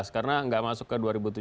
karena nggak masuk ke dua ribu tujuh belas